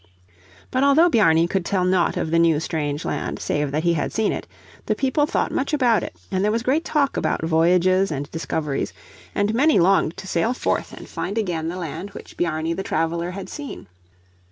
But although Bjarni could tell nought of the new strange land, save that he had seen it, the people thought much about it, and there was great talk about voyages and discoveries, and many longed to sail forth and find again the land which Bjarni the Traveler had seen.